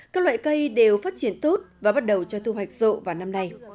các loại cây đều phát triển tốt và bắt đầu cho thu hoạch rộ vào năm nay